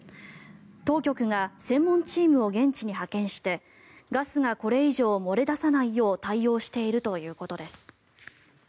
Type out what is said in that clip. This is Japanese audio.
当局が専門チームを現地に派遣してガスがこれ以上漏れ出さないよう対応しているということです。